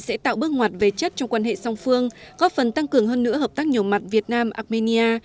sẽ tạo bước ngoặt về chất trong quan hệ song phương góp phần tăng cường hơn nữa hợp tác nhiều mặt việt nam armenia